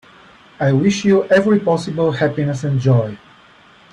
I wish you every possible happiness and joy.